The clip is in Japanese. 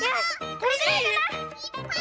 これでいい？